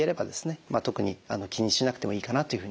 特に気にしなくてもいいかなというふうに思います。